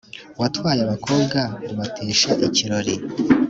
watwaye abakobwa ubatesha ikirori,